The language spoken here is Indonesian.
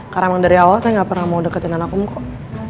karena emang dari awal saya gak pernah mau deketin anak om kok